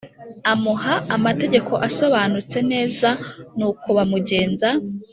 amuha amategeko asobanutse neza n uko bamugenza